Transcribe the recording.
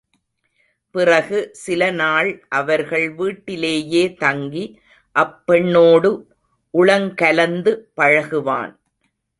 பிறகு சில நாள் அவர்கள் வீட்டிலேயே தங்கி, அப்பெண்ணோடு உளங்கலந்து பழகுவான்.